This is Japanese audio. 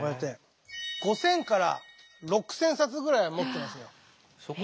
５，０００から６，０００冊ぐらいは持ってますよ。